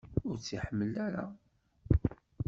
Ur tt-iḥemmel ara?